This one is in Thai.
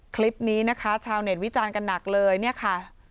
คลิปนี้นะคะชาวเน็ตวิจารณ์กันหนักเลยเนี่ยค่ะ